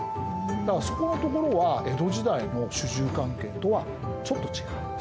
だからそこのところは江戸時代の主従関係とはちょっと違う。